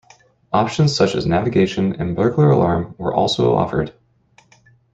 Options such as navigation and burglar alarm were also offered.